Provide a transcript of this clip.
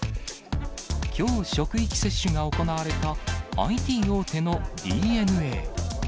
きょう、職域接種が行われた、ＩＴ大手のディー・エヌ・エー。